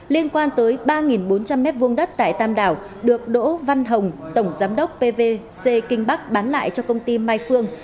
liên quan tới ba bốn trăm linh m hai đất tại tam đảo được đỗ văn hồng tổng giám đốc pvc kinh bắc bán lại cho công ty mai phương